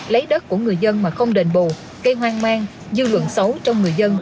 lấy đất của người dân mà không đền bù gây hoang mang dư luận xấu trong người dân